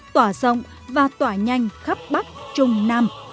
tỏa rộng và tỏa nhanh khắp bắc trung nam